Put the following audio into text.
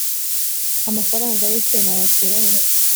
amafaranga ye se nayakurahe,